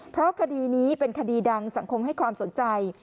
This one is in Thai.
เพราะคดีนี้เป็นคดีดังสังคมให้ความสนใจ